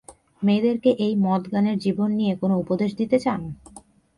মেয়েদেরকে এই মদ-গানের জীবন নিয়ে কোনো উপদেশ দিতে চান?